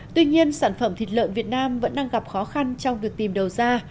tuy nhiên sản phẩm thịt lợn việt nam vẫn đang gặp khó khăn trong việc tìm đầu ra